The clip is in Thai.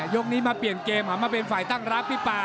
ยกนี้มาเปลี่ยนเกมหันมาเป็นฝ่ายตั้งรับพี่ป่า